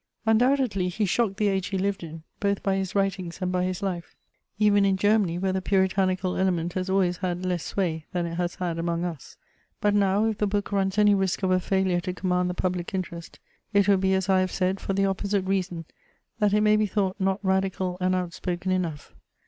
Undoubtedly, he shocked the age he lived in, both by his writings and by his life, even in Germany, where the puritanical element has always had less sway than it has had among us ; but noAv, if the book runs any risk of a failure to com mand the public interest, it will be as I have said, for the opposite reason, that it may be thought not radical and outspoken enough.